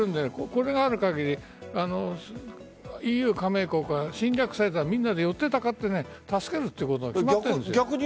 これがある限りＥＵ加盟国は侵略されたらみんなで寄ってたかって助けることに決まっている。